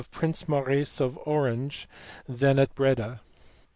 271 Prince Maurice of Orange then at Breda.